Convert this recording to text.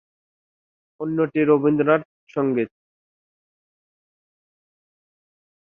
অন্যটি রবীন্দ্রসংগীত।